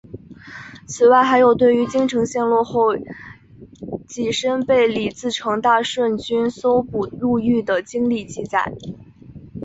此外还有对于京城陷落后己身被李自成大顺军搜捕入狱的经历记载。